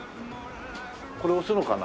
これ押すのかな？